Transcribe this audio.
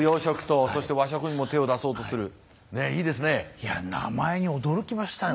いや名前に驚きましたよ。